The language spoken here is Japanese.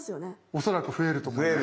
おそらく増えると思いますね。